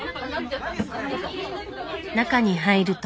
中に入ると。